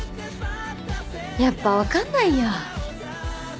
やっぱ分かんないや。